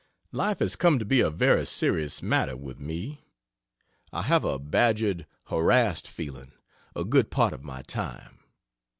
Life has come to be a very serious matter with me. I have a badgered, harassed feeling, a good part of my time.